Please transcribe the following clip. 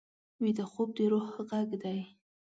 ویده خوب د روح غږ دی